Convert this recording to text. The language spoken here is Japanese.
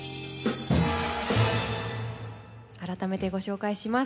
改めてご紹介します。